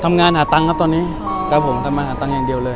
ทำงานหาตังครับตอนนี้ครับผมทำงานหาตังอย่างเดียวเลย